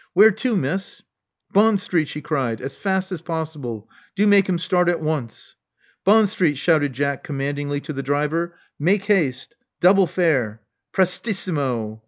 Where to. Miss?" Bond Street," she cried. As fast as possible. Do make him start at once." "Bond Street," shouted Jack commandingly to the driver. Make haste. Double fare. Prestissimo!"